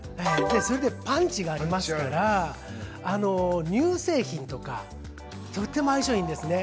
パンチがありますから乳製品とかとても相性がいいんですね。